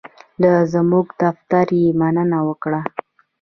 له زمونږ دفتر یې مننه وکړه.